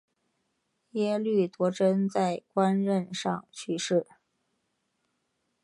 耶律铎轸在官任上去世。